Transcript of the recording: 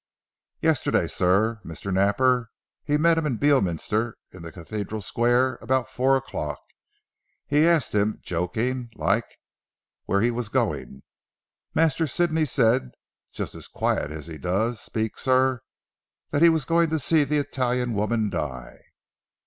"Yesterday sir. Mr. Napper, he met him in Beorminster in the Cathedral Square about four o'clock. He asked him joking like where he was going. Master Sidney said, just as quiet as he does speak sir, that he was going to see the Italian woman die.